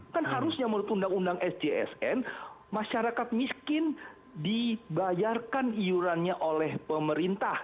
kan harusnya menurut undang undang sjsn masyarakat miskin dibayarkan iurannya oleh pemerintah